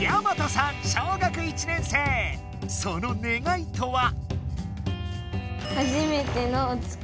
その願いとは？